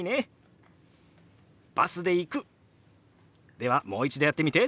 ではもう一度やってみて。